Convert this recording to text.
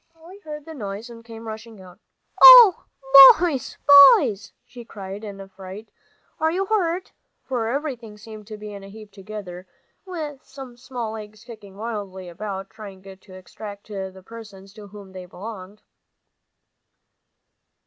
Polly heard the noise and came rushing out. "Oh, boys boys!" she cried in a fright, "are you hurt?" for everything seemed to be in a heap together, with some small legs kicking wildly about, trying to extricate the persons to whom they belonged.